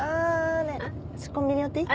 あコンビニ寄っていい？